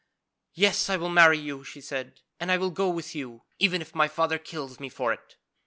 'Yes, I will marry you,' she said, 'and I will go with you, even if my father kills me for it.'